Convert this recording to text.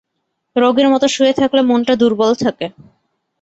রোগীর মতো শুয়ে থাকলে মনটা দুর্বল থাকে।